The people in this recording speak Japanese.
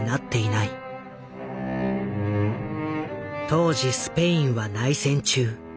当時スペインは内戦中。